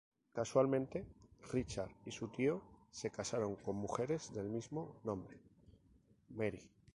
Casualmente, Richard y su tío se casaron con mujeres del mismo nombre, Mary.